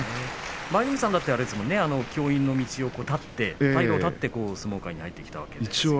舞の海さんだって教員の道を断って退路を断って相撲界に入ってきたわけですね。